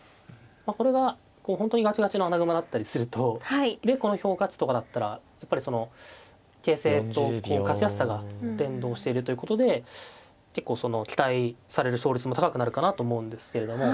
これが本当にガチガチの穴熊だったりするとでこの評価値とかだったらやっぱり形勢とこう勝ちやすさが連動してるということで結構期待される勝率も高くなるかなと思うんですけれども。